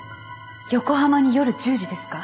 横浜に夜１０時ですか？